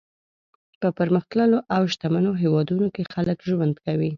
په پرمختللو او شتمنو هېوادونو کې خلک ژوند کوي.